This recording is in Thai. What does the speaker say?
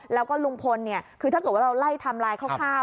แล้วก็ลุงพลเนี่ยคือถ้าเกิดว่าเราไล่ไทม์ไลน์คร่าว